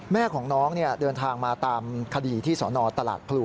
แม่ของน้องเดินทางมาตามคดีที่สนตลาดพลู